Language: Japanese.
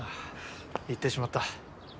行ってしまった。